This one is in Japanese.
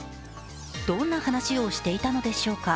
どんな話をしていたのでしょうか。